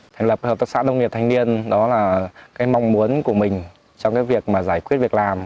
thành lập hợp tác xã nông nghiệp thanh niên đó là cái mong muốn của mình trong cái việc mà giải quyết việc làm